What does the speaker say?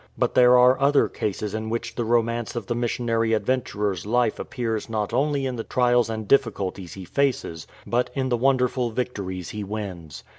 But there are other cases in which the romance of the missionary adventurer*'s life appears not only in the trials and difficulties he faces, but in the 320 A HAPPY CHRISTIAN WARRIOR wonderful victories he wins.